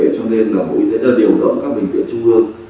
cho nên là bộ y tế đã điều động các bệnh viện trung ương